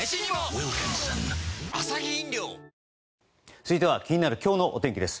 続いては気になる今日のお天気です。